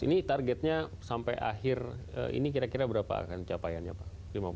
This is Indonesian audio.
ini targetnya sampai akhir ini kira kira berapa akan capaiannya pak